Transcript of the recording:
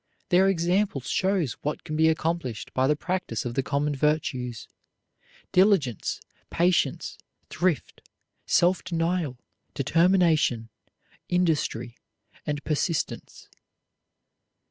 Their example shows what can be accomplished by the practise of the common virtues, diligence, patience, thrift, self denial, determination, industry, and persistence.